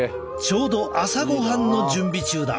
ちょうど朝ごはんの準備中だ。